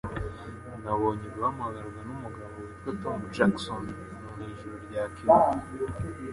Nabonye guhamagarwa numugabo witwa Tom Jackson mwijoro ryakeye